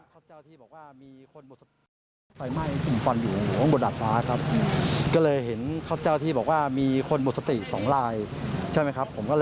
เขาไปท่าที่พาขึ้นไปขึ้นไปช่วยเหลือกันครับผม